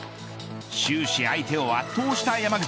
終始相手を圧倒した山口。